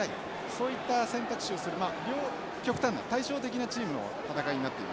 そういった選択肢をする両極端な対照的なチームの戦いになっています。